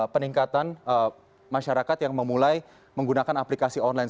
peningkatan masyarakat yang memulai menggunakan aplikasi online